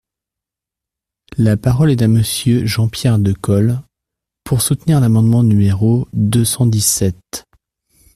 La parole est à Monsieur Jean-Pierre Decool, pour soutenir l’amendement numéro deux cent dix-sept.